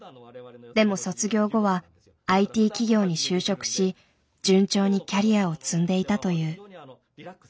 でも卒業後はＩＴ企業に就職し順調にキャリアを積んでいたという。